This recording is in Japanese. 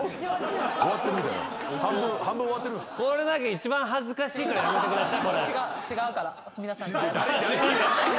一番恥ずかしいからやめてください。